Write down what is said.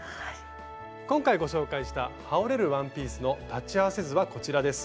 今回ご紹介したはおれるワンピースの裁ち合わせ図はこちらです。